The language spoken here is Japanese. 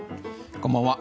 こんばんは。